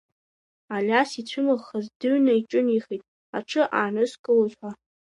Алиас ицәымыӷхан, дыҩны иҿынеихеит аҽы ааныскылоит ҳәа.